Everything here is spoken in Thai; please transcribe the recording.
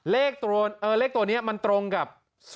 เลขตัวนี้มันตรงกับ